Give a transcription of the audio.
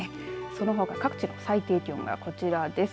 そのほか各地の最低気温がこちらです。